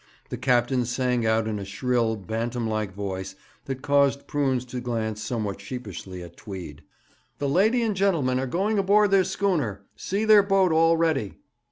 The captain sang out in a shrill, bantam like voice, that caused Prunes to glance somewhat sheepishly at Tweed: 'The lady and gentleman are going aboard their schooner! See their boat all ready!'